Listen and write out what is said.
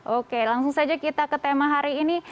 oke langsung saja kita ke tema hari ini